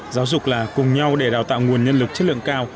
giáo dục là cùng nhau để đào tạo nguồn nhân lực chất lượng cao